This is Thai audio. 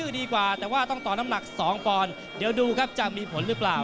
เดี๋ยวดูครับจะมีผลหรือเปล่า